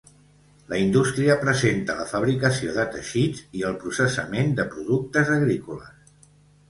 La indústria presenta la fabricació de teixits i el processament de productes agrícoles.